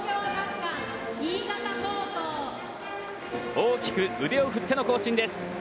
大きく腕を振っての行進です。